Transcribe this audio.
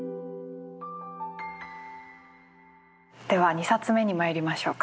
では２冊目にまいりましょうか。